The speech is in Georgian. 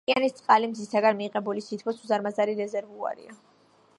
ოკეანის წყალი მზისგან მიღებული სითბოს უზარმაზარი რეზერვუარია.